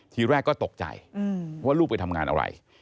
ทีแรกก็ตกใจว่าลูกไปทำงานอะไร